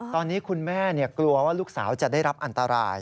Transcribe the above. ตอนนี้คุณแม่กลัวว่าลูกสาวจะได้รับอันตราย